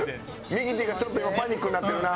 ミキティがちょっと今パニックになってるな。